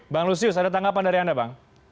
bang lusius ada tanggapan dari anda bang